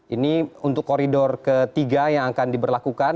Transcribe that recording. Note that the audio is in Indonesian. ini untuk koridor ketiga yang akan diberlakukan